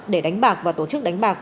để đánh bạc và tổ chức đánh bạc